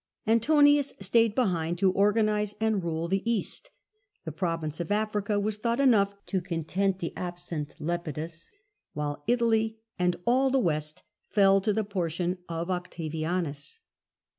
Antonius stayed behind to organise and rule the East. The Province of Africa was thought enough to content the absent Lepidus, while Italy and all the West fell to the portion of Octa vianus.